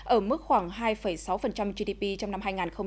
ở mức khoảng hai sáu gdp trong năm hai nghìn hai mươi